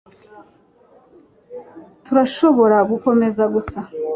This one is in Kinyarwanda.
turashobora gukomeza gusa